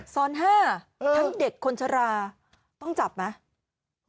ซ้อน๕ทั้งเด็กคนชราต้องจับไหม